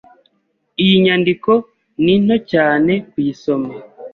Iyi nyandiko ni nto cyane kuyisoma.